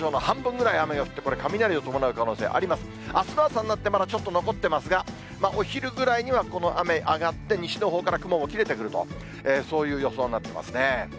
あすの朝になってまだちょっと残ってますが、お昼ぐらいにはこの雨上がって、西のほうから雲も切れてくると、そういう予想になってますね。